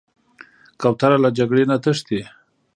کوتره له جګړې نه تښتي.